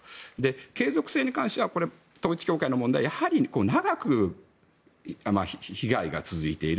継続性に関しては統一教会の問題長く被害が続いている。